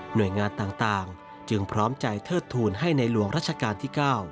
โดยงานต่างจึงพร้อมใจเทิดทูลให้ในหลวงรัชกาลที่๙